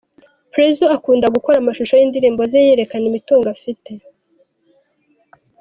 Prezzo akunda gukora amashusho y'indirimbo ze yerekana imitungo afite.